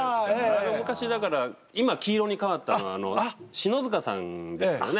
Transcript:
あれは昔だから今黄色に替わったのは篠塚さんですよね